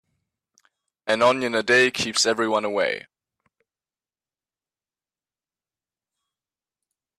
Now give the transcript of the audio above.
An onion a day keeps everyone away.